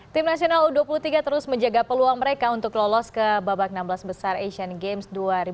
tim nasional u dua puluh tiga terus menjaga peluang mereka untuk lolos ke babak enam belas besar asian games dua ribu delapan belas